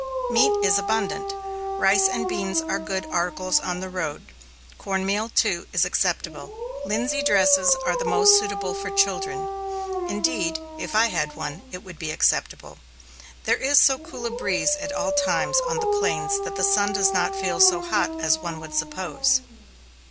Meat is abundant. Rice and beans are good articles on the road; cornmeal, too, is acceptable. Linsey dresses are the most suitable for children. Indeed, if I had one, it would be acceptable. There is so cool a breeze at all times on the plains that the sun does not feel so hot as one would suppose.